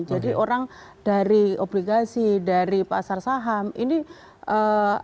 jadi orang dari obligasi dari pasar saham ini perdagangannya masuk disini